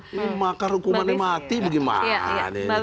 ini makar hukumannya mati bagaimana